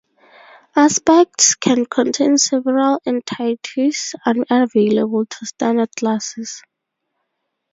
Aspects can contain several entities unavailable to standard classes.